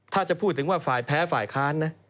ถ้าจะพูดถึงว่าฝ่ายแพ้ฝ่ายค้านนะ